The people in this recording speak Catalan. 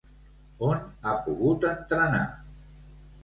On ha pogut entrenar?